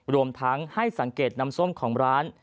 รวมทั้งให้สังเกตน้ำส้มของร้าน